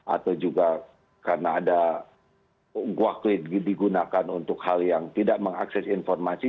atau juga karena ada gua klik digunakan untuk hal yang tidak mengakses informasi